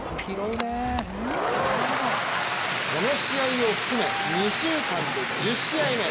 この試合を含め２週間で１０試合目。